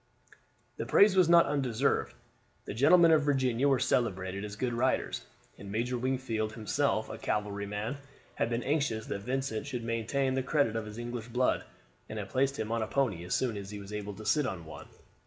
The praise was not undeserved. The gentlemen of Virginia were celebrated as good riders; and Major Wingfield, himself a cavalry man, had been anxious that Vincent should maintain the credit of his English blood, and had placed him on a pony as soon as he was able to sit on one.